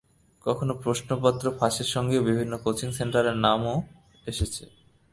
কখনো প্রশ্নপত্র ফাঁসের সঙ্গেও বিভিন্ন কোচিং সেন্টারের নাম এসেছে।